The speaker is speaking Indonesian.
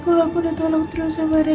kalau aku udah tolong terus sama dia